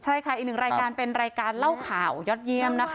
ใช่ค่ะอีกหนึ่งรายการเป็นรายการเล่าข่าวยอดเยี่ยมนะคะ